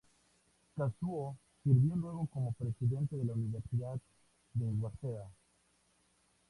Kazuo sirvió luego como presidente de la Universidad de Waseda.